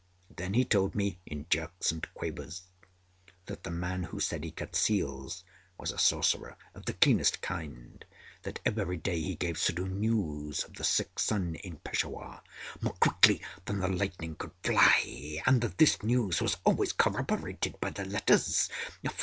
Then he told me, in jerks and quavers, that the man who said he cut seals was a sorcerer of the cleanest kind; that every day he gave Suddhoo news of the sick son in Peshawar more quickly than the lightning could fly, and that this news was always corroborated by the letters.